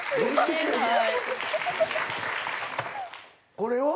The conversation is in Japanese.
これを。